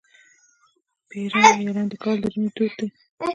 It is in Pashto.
پېروی یا لاندی کول د ژمي دود دی.